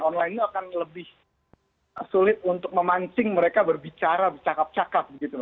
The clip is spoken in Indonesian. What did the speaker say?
online ini akan lebih sulit untuk memancing mereka berbicara bercakap cakap